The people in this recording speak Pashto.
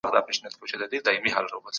پېژندنه د کنټرول لومړی ګام دی.